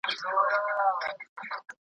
ښه زړه تل ارام خپروي